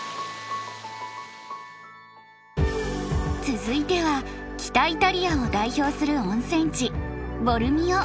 続いては北イタリアを代表する温泉地ボルミオ。